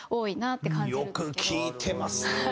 よく聴いてますね。